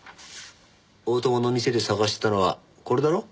大友の店で探してたのはこれだろ？